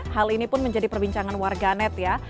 hal ini pun menjadi perbincangan warganet ya